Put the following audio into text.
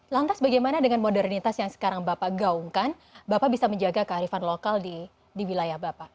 lantas bagaimana dengan modernitas yang sekarang bapak gaungkan bapak bisa menjaga kearifan lokal di wilayah bapak